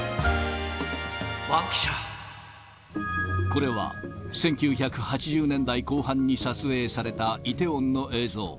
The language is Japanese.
これは１９８０年代後半に撮影されたイテウォンの映像。